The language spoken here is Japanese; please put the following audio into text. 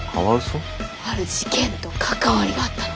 ある事件と関わりがあったの。